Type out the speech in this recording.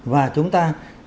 và chúng ta